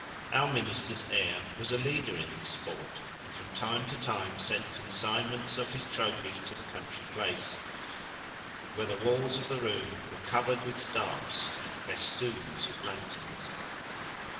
Our Minister's heir was a leader in this sport, and from time to time sent consignments of his trophies to the country place, where the walls of the room were covered with staffs and festoons of lanterns.